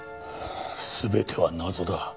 全ては謎だ。